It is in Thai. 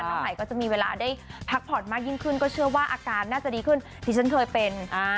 ใหม่ก็จะมีเวลาได้พักผ่อนมากยิ่งขึ้นก็เชื่อว่าอาการน่าจะดีขึ้นที่ฉันเคยเป็น